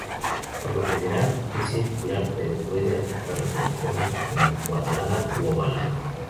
Por lo general, es circular pero puede adoptar otras formas como cuadrada u ovalado.